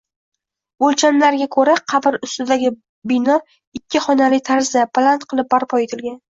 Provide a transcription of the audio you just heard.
Oʻlchamlariga koʻra, qabr ustidagi bino ikki xonali tarzda, baland qilib barpo etilgan